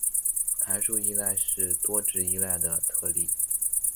函数依赖是多值依赖的特例。